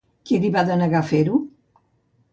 Qui li va denegar fer-ho?